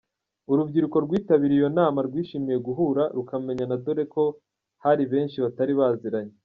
Urubyiruko rwitabiriye iyo nama rwishimiye guhura rukamenyana dore ko hari benshi batari baziranye.